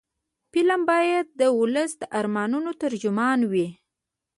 فلم باید د ولس د ارمانونو ترجمان وي